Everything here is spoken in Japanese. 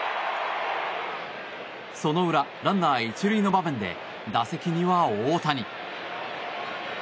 その裏、ランナー１塁の場面で打席には大谷。